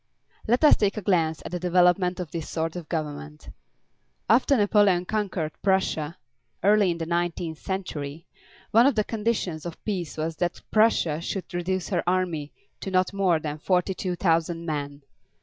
Let us take a glance at the development of this sort of government. After Napoleon conquered Prussia, early in the nineteenth century, one of the conditions of peace was that Prussia should reduce her army to not more than forty two thousand men.